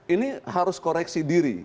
ini harus koreksi diri